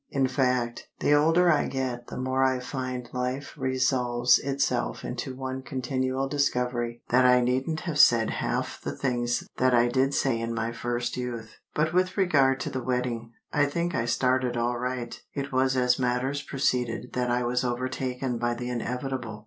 In fact, the older I get the more I find life resolves itself into one continual discovery that I needn't have said half the things that I did say in my first youth. But with regard to the wedding, I think I started all right; it was as matters proceeded that I was overtaken by the inevitable.